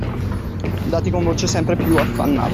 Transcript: Dati con voce sempre piú affannata